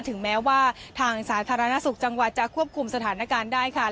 ถึงแม้ว่าทางสาธารณสุขจังหวัดจะควบคุมสถานการณ์ได้ค่ะ